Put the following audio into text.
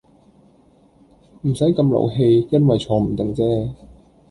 唔使咁勞氣因為坐唔定姐